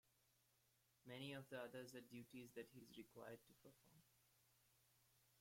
Many of the others are duties that he is required to perform.